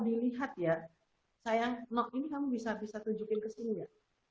dilihat ya sayang ini kamu bisa bisa tunjukin kesini ya